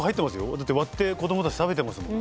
だって割って子どもたち食べてますもん。